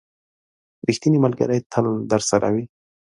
• ریښتینی ملګری تل درسره وي.